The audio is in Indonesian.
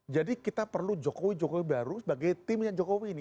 jadi kita perlu jokowi jokowi baru sebagai timnya jokowi ini